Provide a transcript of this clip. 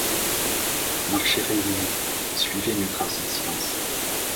Marchez réunis, suivez mes traces en silence.